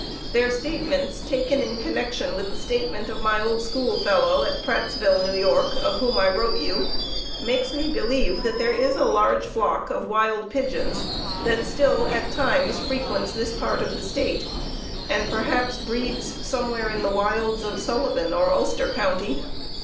Their statements, taken in connection with the statement of my old schoolfellow at Prattsville, N. Y., of whom I wrote you, makes me believe that there is a large flock of wild pigeons that still at times frequents this part of the State, and perhaps breeds somewhere in the wilds of Sullivan or Ulster County.